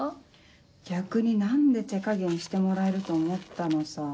逆に何で手加減してもらえると思ったのさ。